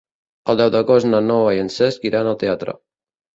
El deu d'agost na Noa i en Cesc iran al teatre.